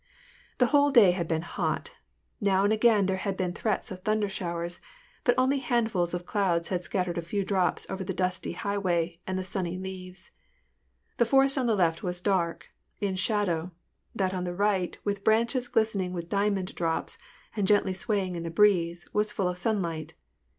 The whole day had been hot : now and again there had been threats of thunder showers, but only handfuls of clouds had scattered a few drops over the dusty highway and the sunny leaves. The forest on the left was dark, in shadow : that on the right, with branches glistening with diamond drops and gently swaying in the breeze, was full of sunlight.